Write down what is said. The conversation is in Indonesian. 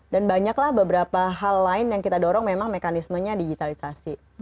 dan banyaklah beberapa hal lain yang kita dorong memang mekanismenya digitalisasi